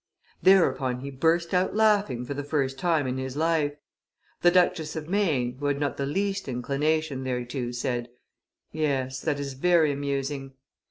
Thereupon he burst out laughing for the first time in his life. The Duchess of Maine, who had not the least inclination thereto, said, 'Yes, that is very amusing.